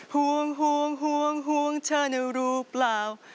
ห่วงห่วงห่วงห่วงเธอน่ารู้เปล่า